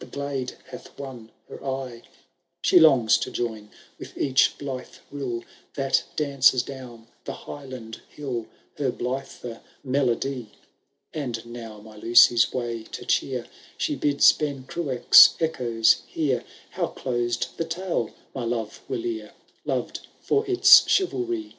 The glade hath won her eye ; She longs to join with each blithe riU That dances down the Highland hill. Her blither melody.^ And now, my Lucy^ miy to cheer. She bids Ben Cruach^ echoes hear How closed the tale, my love whllere Loved for its chivalry.